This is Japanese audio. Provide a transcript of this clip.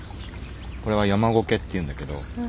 これは山苔っていうんだけど。